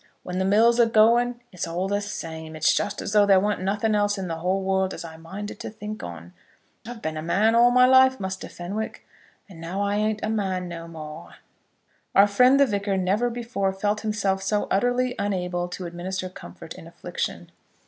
When the mill's agoing, it's all the same. It's just as though there warn't nothing else in the whole world as I minded to think on. I've been a man all my life, Muster Fenwick; and now I ain't a man no more." [Illustration: "It's in here, Muster Fenwick, in here."] Our friend the Vicar never before felt himself so utterly unable to administer comfort in affliction.